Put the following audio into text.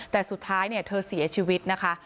แต่สุดท้ายเธอเสียชีวิตนะคะ